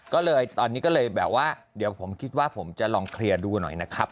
ก็เลยตอนนี้ก็เลยแบบว่าเดี๋ยวผมคิดว่าผมจะลองเคลียร์ดูหน่อยนะครับ